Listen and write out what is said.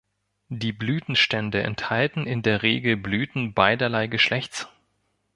Die Blütenstände enthalten in der Regel Blüten beiderlei Geschlechts.